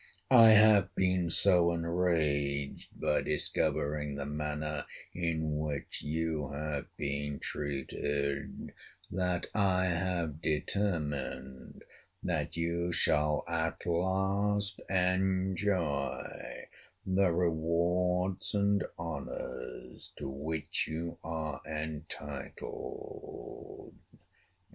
I have been so enraged by discovering the manner in which you have been treated that I have determined that you shall at last enjoy the rewards and honors to which you are entitled.